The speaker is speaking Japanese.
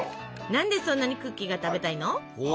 何でそんなにクッキーが食べたいの？